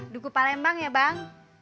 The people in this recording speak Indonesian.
duku palembang ya bang